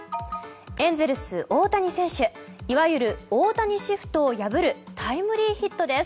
エンゼルスの大谷選手いわゆる大谷シフトを破るタイムリーヒットです。